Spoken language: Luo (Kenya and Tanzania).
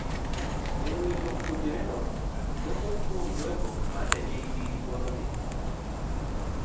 E wi japuonjreno, moko kuom jogo ma ne nigi luoro ni